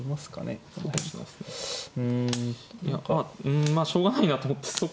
うんまあしょうがないなと。